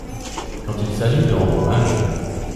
Quand il s’agit de rendre hommage…